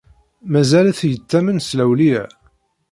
Mazal-t yettamen s lawleyya.